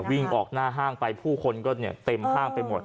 วิ่งออกหน้าห้างไปผู้คนก็เต็มห้างไปหมด